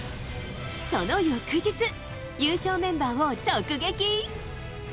その翌日、優勝メンバーを直撃。